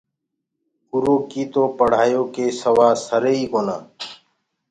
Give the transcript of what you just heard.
اُرو ڪي تو پڙهآيو ڪي سِوآ سري ئي ڪونآ۔